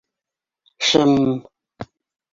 Шым-м!